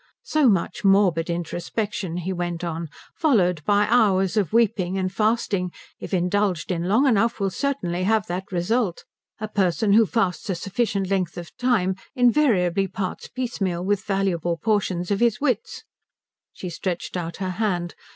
"So much morbid introspection," he went on, "followed by hours of weeping and fasting, if indulged in long enough will certainly have that result. A person who fasts a sufficient length of time invariably parts piecemeal with valuable portions of his wits." She stretched out her hand.